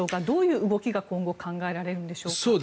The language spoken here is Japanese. どういう動きが今後考えられるのでしょうか。